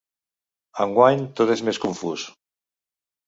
Enguany, tot és més confús.